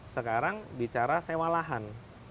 sekarang bicara sewa lahan